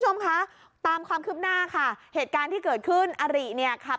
คุณผู้ชมคะตามความคืบหน้าค่ะเหตุการณ์ที่เกิดขึ้นอริเนี่ยขับ